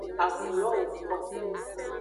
Avulo woko.